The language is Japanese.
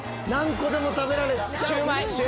何個でも食べられちゃう。